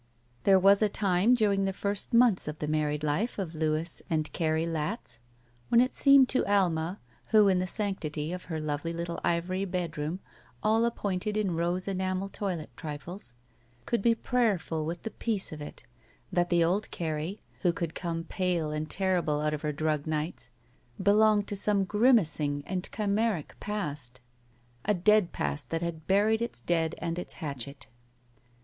There was a time during the first months of the married life of Louis and Carrie Latz when it seemed to Alma, who in the sanctity of her lovely Uttle ivory bedroom all appointed in rose enamel toilet trifles, could be prayerful with the peace of it, that the old Carrie, who could come pale and terrible out of her drugged nights, belonged to some grimacing and chimeric past. A dead past that had btiried its dead and its hatchet.